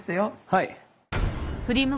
はい。